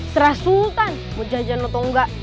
serah sultan mau jajan atau enggak